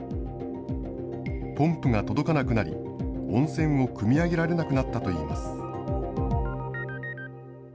ポンプが届かなくなり、温泉をくみ上げられなくなったといいます。